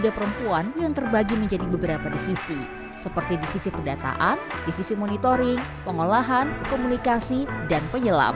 perempuan yang terbagi menjadi beberapa divisi seperti divisi pendataan divisi monitoring pengolahan komunikasi dan penyelam